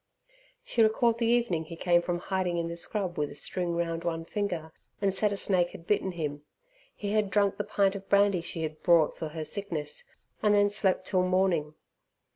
She recalled the evening he came from hiding in the scrub with a string round one finger, and said a snake had bitten him. He had drunk the pint of brandy she had brought for her sickness, and then slept till morning.